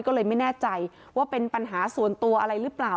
ก็เลยไม่แน่ใจว่าเป็นปัญหาส่วนตัวอะไรหรือเปล่า